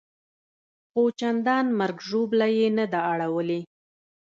خو چندان مرګ ژوبله یې نه ده اړولې.